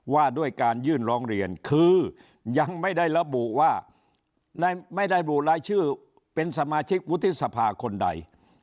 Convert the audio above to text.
ว่าด้วยการยื่นร้องเรียนคือยังไม่ได้ระบุว่าไม่ได้ระบุรายชื่อเป็นสมาชิกวุฒิสภาคนใด